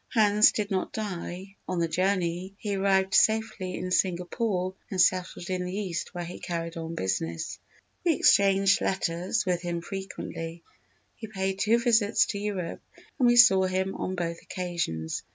Hans did not die on the journey, he arrived safely in Singapore and settled in the East where he carried on business. We exchanged letters with him frequently; he paid two visits to Europe and we saw him on both occasions.